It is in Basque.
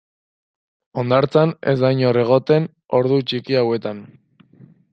Hondartzan ez da inor egoten ordu txiki hauetan.